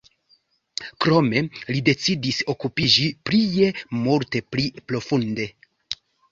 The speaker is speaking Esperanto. Krome li decidis okupiĝi prie multe pli profunde.